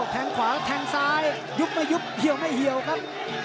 แทงขวาแทงซ้ายยุบไม่ยุบเหี่ยวไม่เหี่ยวครับ